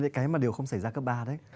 đấy cái mà đều không xảy ra cấp ba đấy